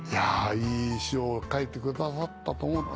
いい詞を書いてくださったと思ってね。